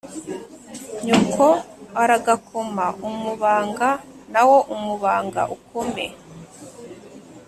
nyoko aragako ma umu banga na wo umubanga ukome